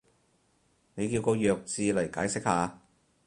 你叫個弱智嚟解釋下